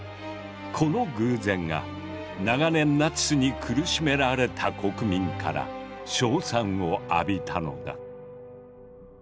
この偶然が長年ナチスに苦しめられた国民から称賛を浴びたのだ。